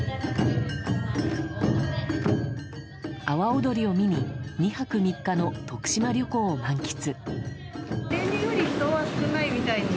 阿波踊りを見に２泊３日の徳島旅行を満喫。